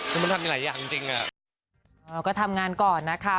ก็ให้เขาทำอยู่